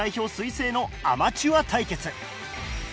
彗星のアマチュア対決。